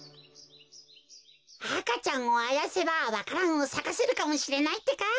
赤ちゃんをあやせばわか蘭をさかせるかもしれないってか。